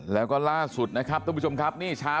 แล้วก็ล่าสุดนะครับวันนี้ช้า